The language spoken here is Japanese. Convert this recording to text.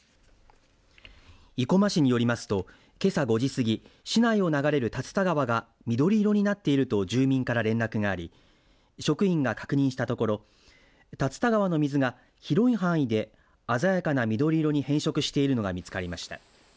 生駒市によりますとけさ５時過ぎ市内を流れる竜田川が緑色になっていると住民から連絡があり職員が確認したところ竜田川の水が広い範囲で鮮やかな緑色に変色しているのが見つかりました。